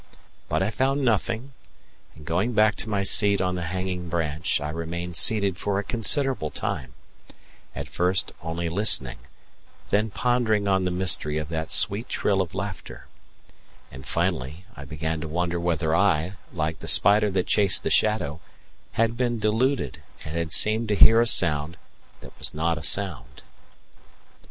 But I found nothing, and going back to my seat on the hanging branch, I remained seated for a considerable time, at first only listening, then pondering on the mystery of that sweet trill of laughter; and finally I began to wonder whether I, like the spider that chased the shadow, had been deluded, and had seemed to hear a sound that was not a sound.